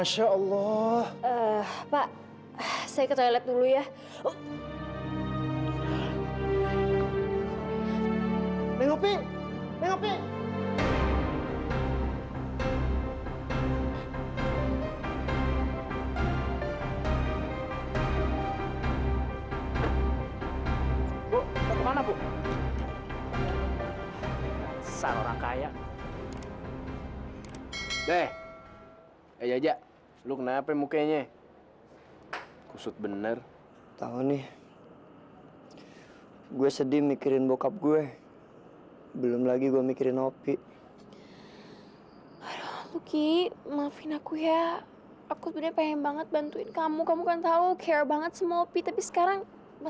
saya harus berterima kasih karena